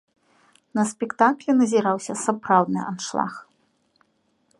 На спектаклі назіраўся сапраўдны аншлаг.